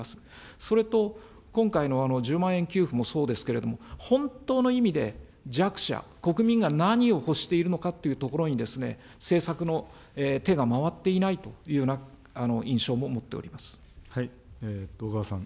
それと、今回の１０万円給付もそうですけれども、本当の意味で弱者、国民が何を欲しているのかというところに、政策の手が回っていないというような印象を持って小川さん。